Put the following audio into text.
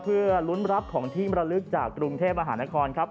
เพื่อลุ้นรับของที่มรลึกจากกรุงเทพมหานครครับ